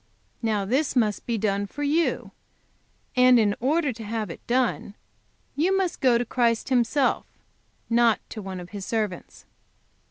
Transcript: Now this must be done for you; and in order to have it done you must go to Christ Himself, not to one of His servants.